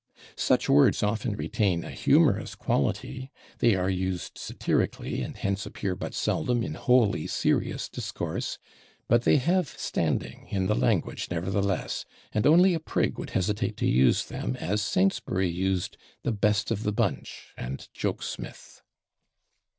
Such words often retain a humorous quality; they are used satirically and hence appear but seldom in wholly serious discourse. But they have standing in the language nevertheless, and only a prig would hesitate to use them as Saintsbury used /the best of the bunch/ and /joke smith